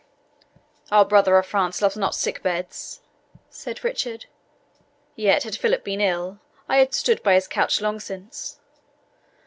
"Our brother of France loves not sick beds," said Richard; "yet, had Philip been ill, I had stood by his couch long since.